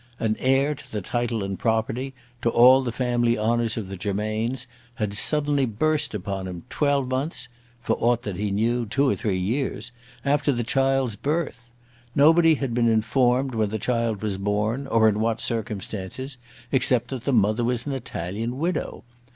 An heir to the title and property, to all the family honours of the Germains, had suddenly burst upon him, twelve months, for aught that he knew, two or three years, after the child's birth! Nobody had been informed when the child was born, or in what circumstances, except that the mother was an Italian widow!